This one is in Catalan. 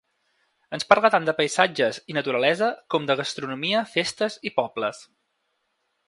Ens parla tant de paisatges i naturalesa com de gastronomia, festes i pobles.